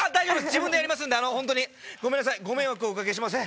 自分でやりますんでホントにごめんなさいご迷惑をおかけします